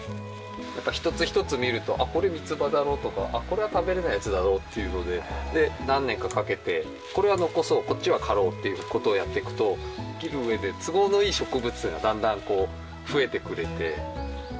やっぱ一つ一つ見ると、あっ、これ、みつばだろとか、あっ、これは食べれないやつだろうっていうことで、何年かかけて、これは残そう、こっちは刈ろうっていうことをやっていくと、生きる上で都合のいい植物が、だんだん増えてくれて。